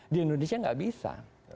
di indonesia tidak bisa